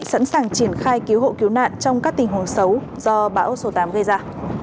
sẵn sàng triển khai cứu hộ cứu nạn trong các tình huống xấu do bão số tám gây ra